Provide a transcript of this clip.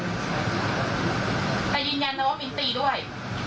แต่ยืนยันนะว่ามิ้นตีด้วย